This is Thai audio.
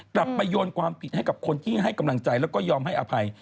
กลับไปโยนความผิดให้กับคนที่ให้กำลังใจแล้วก็ยอมให้อภัย